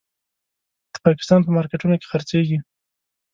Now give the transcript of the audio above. د پاکستان په مارکېټونو کې خرڅېږي.